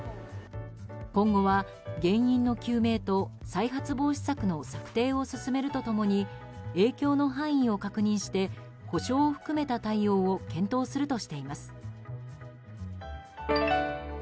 今後は、原因の究明と再発防止策の策定を進めると共に影響の範囲を確認して補償を含めた対応を検討するとしています。